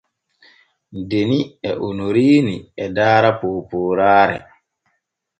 Deni e Onoriini e daara poopooraare.